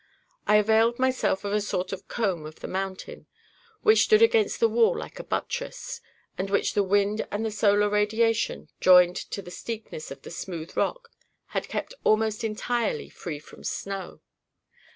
I availed myself of a sort of comb of the mountain, which stood against the wall like a buttress, and which the wind and the solar radiation, joined to the steepness of the smooth rock, had kept almost entirely free from snow.